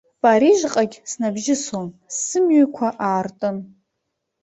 Парижҟагь снабжьыслон, сымҩақәа артын.